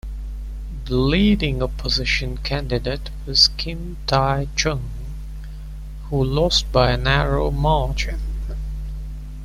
The leading opposition candidate was Kim Dae-jung, who lost by a narrow margin.